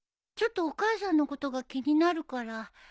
ちょっとお母さんのことが気になるから。